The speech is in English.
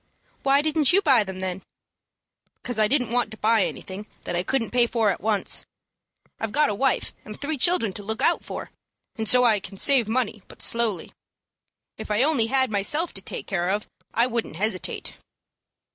"Why didn't you buy them, then?" "Because I didn't want to buy anything that I couldn't pay for at once. I've got a wife and three children to look out for, and so I can save money but slowly. If I only had myself to take care of, I wouldn't hesitate."